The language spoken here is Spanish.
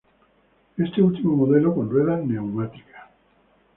Este último modelo con ruedas neumáticas.